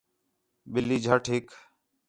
ٻلّھی جھٹ ہِک